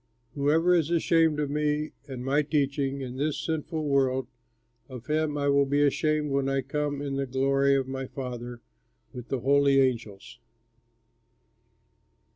Whoever is ashamed of me and my teachings in this sinful world, of him I will be ashamed when I come in the glory of my Father with the holy angels."